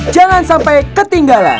jangan sampai ketinggalan